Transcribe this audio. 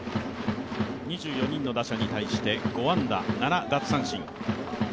２４人の打者に対して５安打、７奪三振。